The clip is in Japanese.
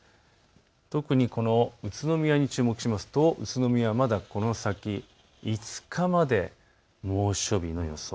特に宇都宮に注目するとまだこの先、５日まで猛暑日の予想。